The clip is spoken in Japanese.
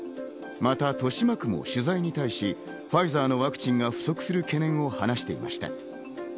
また豊島区も取材に対し、ファイザーのワクチンが不足する懸念を話していました。